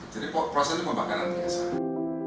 jadi proses itu pembakaran biasa